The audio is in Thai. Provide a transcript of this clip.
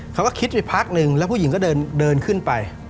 เขาก็คิดไปพักนึงแล้วผู้หญิงก็เดินขึ้นไป